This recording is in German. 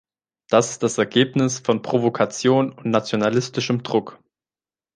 Das ist das Ergebnis von Provokation und nationalistischem Druck.